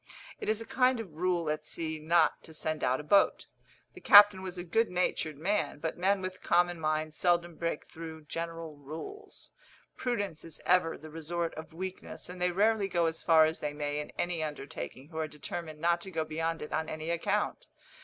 It is a kind of rule at sea not to send out a boat. The captain was a good natured man; but men with common minds seldom break through general rules. Prudence is ever the resort of weakness, and they rarely go as far as they may in any undertaking who are determined not to go beyond it on any account.